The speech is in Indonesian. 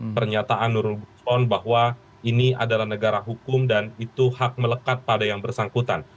pernyataan nurul gufron bahwa ini adalah negara hukum dan itu hak melekat pada yang bersangkutan